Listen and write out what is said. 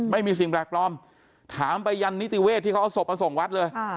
ไม่มีสิ่งแปลกปลอมถามไปยันนิติเวศที่เขาเอาศพมาส่งวัดเลย